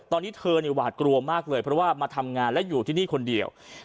ตอนนี้เธอหวาดกลัวมากเลยเพราะว่ามาทำงานและอยู่ที่นี่คนเดียว